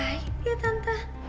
gak baik ya tante